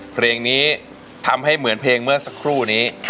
เพลงนี้ทำให้เหมือนเพลงเมื่อสักครู่นี้